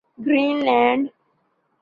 green land